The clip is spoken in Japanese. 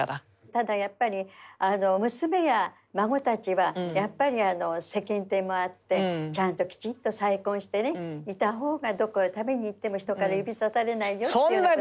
ただやっぱり娘や孫たちはやっぱり世間体もあってちゃんときちっと再婚していた方がどこへ食べに行っても人から指さされないよって。